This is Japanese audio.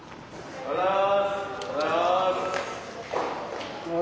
おはようございます。